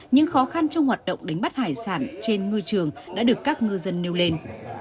những khó khăn trong hoạt động đánh bắt hải sản trên ngư trường đã được các ngư dân nêu lên